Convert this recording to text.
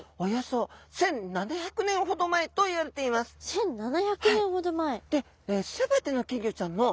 １，７００年ほど前。